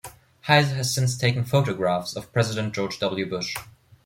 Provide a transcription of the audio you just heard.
Heisler has since taken photographs of President George W. Bush.